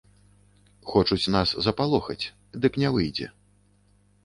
Хочуць нас запалохаць, дык не выйдзе.